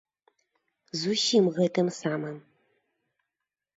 З усім гэтым самым.